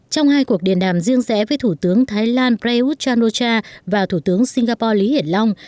trong hai cuộc điện đàm riêng rẽ với thủ tướng thái lan prayuth chan o cha và thủ tướng singapore lý hiển long